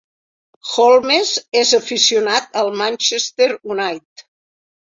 Holmes és aficionat al Manchester United.